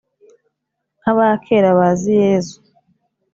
nk’aba kera bazi yezu